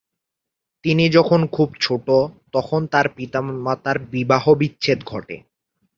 তিনি যখন খুব ছোট তখন তার পিতামাতার বিবাহবিচ্ছেদ ঘটে।